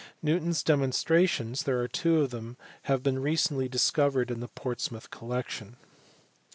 Newton s demonstrations (there are two of them) have been recently discovered in the Portsmouth collection.